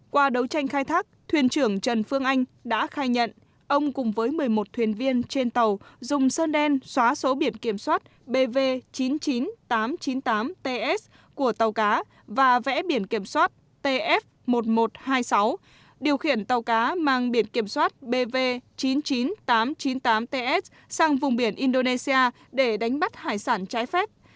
qua đấu tranh khai thác thuyền trưởng trần phương anh đã khai nhận ông cùng với một mươi một thuyền viên trên tàu dùng sơn đen xóa số biển kiểm soát bv chín mươi chín nghìn tám trăm chín mươi tám ts của tàu cá và vẽ biển kiểm soát tf một nghìn một trăm hai mươi sáu điều khiển tàu cá mang biển kiểm soát bv chín mươi chín nghìn tám trăm chín mươi tám ts sang vùng biển indonesia để đánh bắt hải sản trái phép